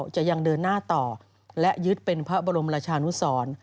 จะยังเดินหน้าต่อและยึดเป็นพระบรมราชานุสร